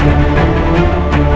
kalau kamu tidak capai